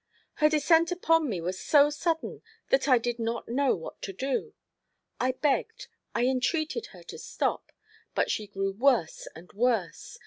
Her descent upon me was so sudden that I did not know what to do. I begged, I entreated her to stop; but she grew worse and worse.